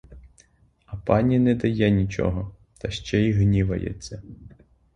А пані не дає нічого, та ще й гнівається.